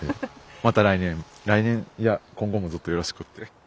また来年いや今後もずっとよろしくって。